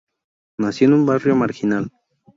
Nació en un barrio marginal.